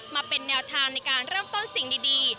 มาเป็นแนวทางในการเริ่มต้นสิ่งดี